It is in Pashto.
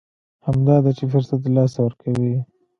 همدا ده چې فرصت له لاسه ورکوي.